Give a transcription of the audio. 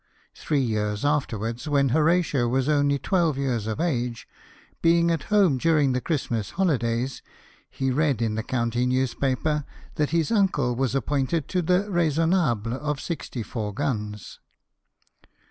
Three years afterwards, when Horatio was only twelve years of age, being at home during the Christmas holidays, he read in the county newspaper that his uncle was appointed to the Raisonnable of 64 guns.